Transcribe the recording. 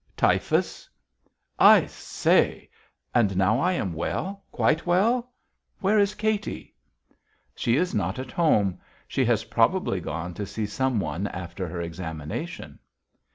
"Typhus." "I say! And now I am well, quite well! Where is Katy?" "She is not at home. She has probably gone to see some one after her examination."